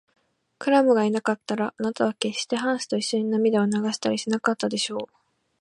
クラムがいなかったら、あなたはけっしてハンスといっしょに涙を流したりしなかったでしょう。